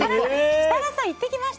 設楽さん、言ってきました？